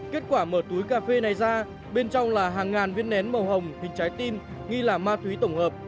kết quả mở túi cà phê này ra bên trong là hàng ngàn viên nén màu hồng hình trái tim nghi là ma túy tổng hợp